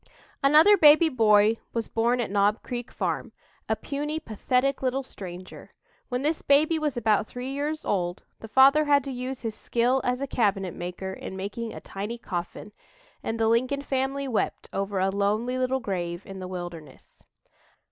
Another baby boy was born at Knob Creek farm; a puny, pathetic little stranger. When this baby was about three years old, the father had to use his skill as a cabinet maker in making a tiny coffin, and the Lincoln family wept over a lonely little grave in the wilderness.